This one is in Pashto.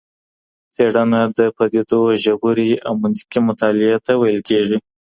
څېړنه د پدیدو ژورې او منظمي مطالعې ته ویل کیږي.